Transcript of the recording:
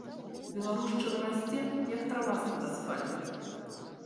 Беларушчына расце як трава з-пад асфальту.